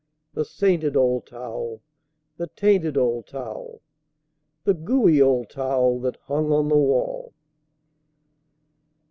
The sainted old towel, the tainted old towel, The gooey old towel that hung on the wall.